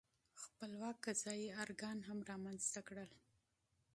خپلواک قضايي ارګان هم رامنځته کړل.